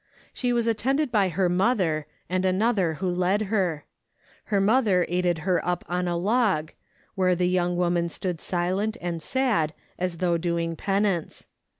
She was attended by her mother, and another who led her. Her mother aided her up on a log, where the young woman stood silent and sad as though doing penance.